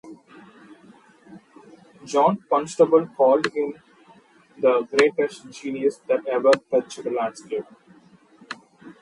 John Constable called him the greatest genius that ever touched landscape.